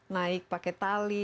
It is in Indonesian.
naik pake tali